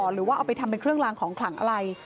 หรือว่าเอาไปทำเป็นเครื่องลางของขลังอะไร